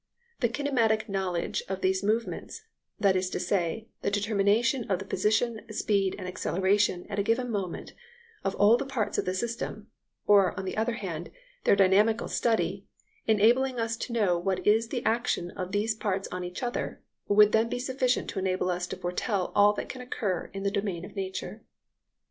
The kinematic knowledge of these movements, that is to say, the determination of the position, speed, and acceleration at a given moment of all the parts of the system, or, on the other hand, their dynamical study, enabling us to know what is the action of these parts on each other, would then be sufficient to enable us to foretell all that can occur in the domain of nature.